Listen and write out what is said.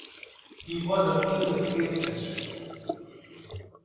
He was of English ancestry.